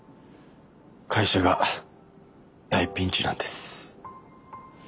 会社が大ピンチなんです。